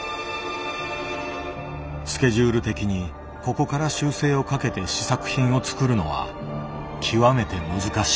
スケジュール的にここから修正をかけて試作品を作るのは極めて難しい。